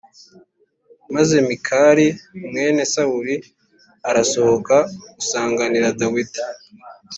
Maze Mikali mwene Sawuli arasohoka gusanganira Dawidi